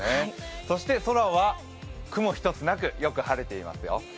そして空は、雲一つなくよく晴れていますよ。